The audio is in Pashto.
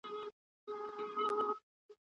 د میرو لور خپلې خورلڼې سره